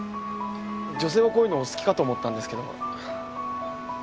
女性はこういうのお好きかと思ったんですけど。